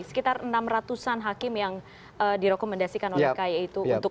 sekitar enam ratusan hakim yang direkomendasikan oleh kaie itu